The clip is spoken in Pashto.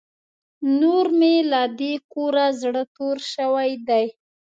نور مې له دې کوره زړه تور شوی دی.